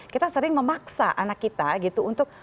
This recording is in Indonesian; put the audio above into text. kita sering memaksa anak kita gitu untuk